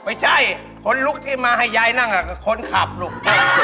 ไม่ใช่คนลุกที่มาให้ยายนั่งคือคนขับลูก